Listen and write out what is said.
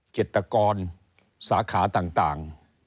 จิตกรสาขาต่าง